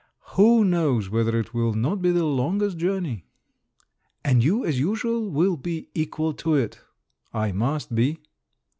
Who knows whether it will not be the longest journey?" "And you, as usual, will be equal to it." "I must be."